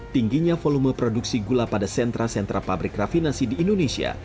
tingginya volume produksi gula pada sentra sentra pabrik rafinasi di indonesia